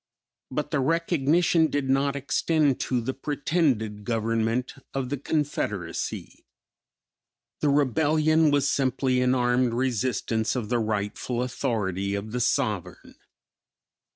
But the recognition did not extend to the pretended government of the Confederacy.... The Rebellion was simply an armed resistence of the rightful authority of the sovereign.